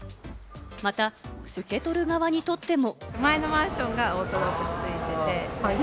また、受け取る側にとっても。